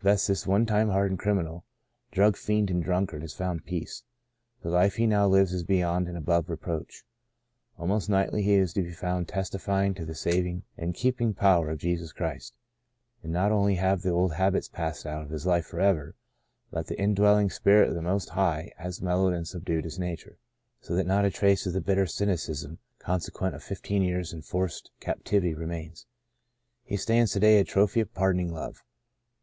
Thus this one time hardened criminal, drug fiend and drunkard, has found peace. The life he now lives is beyond and above reproach. Almost nightly he is to be found testifying to the saving and keeping power of Jesus Christ. And not only have the old habits passed out of his life forever, but the indwelling Spirit of the Most High has mellowed and subdued his nature ; so that not a trace of the bitter cynicism consequent on fifteen years' en forced captivity remains. He stands to day a trophy of pardoning Love.